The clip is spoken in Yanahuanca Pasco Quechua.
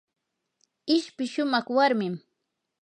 ishpi shumaq warmim.